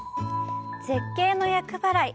絶景の厄払い。